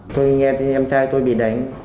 tôi nghe em trai tôi bị đánh